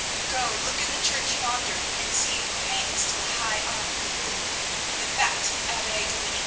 Go, look in the church yonder, and see who hangs to the high arm of the Rood—the fat Abbe Dominic.